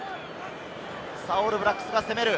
オールブラックスが攻める。